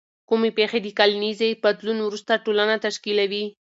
کومې پیښې د کلنیزې بدلون وروسته ټولنه تشکیلوي؟